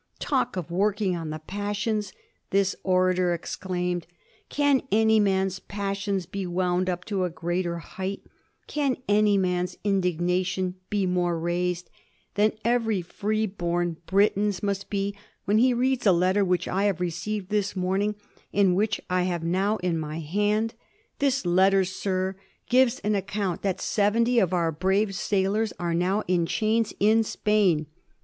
"Talk of working on the passions," this orator exclaimed; '^ can any man's passions be wound up to a greater height, can any man's indignation be more raised, than every free born Briton's must be when he reads a letter which I have received this morning, and which I have now in my hand ? This letter, sir, gives an account that seventy of our brave sailors are now in chains in Spain.